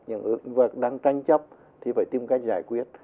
những lĩnh vực đang tranh chấp thì phải tìm cách giải quyết